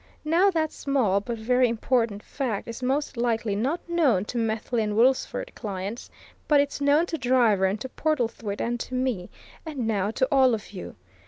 Now, that small but very important fact is most likely not known to Methley and Woodlesford's client but it's known to Driver and to Portlethwaite and to me, and now to all of you.